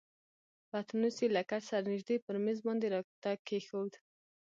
پتنوس یې له کټ سره نژدې پر میز باندې راته کښېښود.